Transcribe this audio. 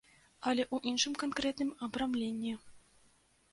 Але ў іншым канкрэтным абрамленні.